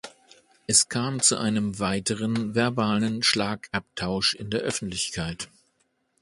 Es kam zu einem weiteren verbalen Schlagabtausch in der Öffentlichkeit.